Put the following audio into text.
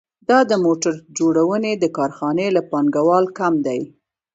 دا د موټر جوړونې د کارخانې له پانګوال کم دی